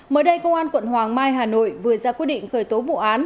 mới đây công an quận hoàng mai hà nội vừa ra quyết định khởi tố vụ án